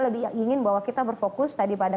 lebih ingin bahwa kita berfokus tadi pada